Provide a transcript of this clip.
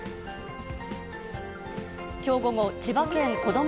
きょう午後、千葉県こども